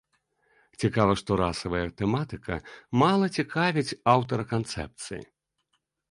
Цікава, што расавая тэматыка мала цікавіць аўтара канцэпцыі.